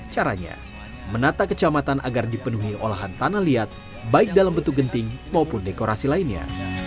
caranya menata kecamatan agar dipenuhi olahan tanah liat baik dalam bentuk genting maupun dekorasi lainnya